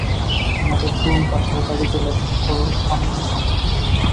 আমাদের ড্রোন পাঠাও, গাড়িকে লক্ষ করো, থামুন থামুন!